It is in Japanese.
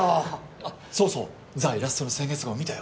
あそうそう『ザ・イラスト』の先月号見たよ。